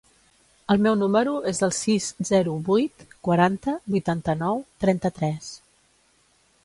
El meu número es el sis, zero, vuit, quaranta, vuitanta-nou, trenta-tres.